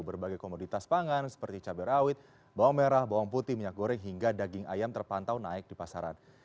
berbagai komoditas pangan seperti cabai rawit bawang merah bawang putih minyak goreng hingga daging ayam terpantau naik di pasaran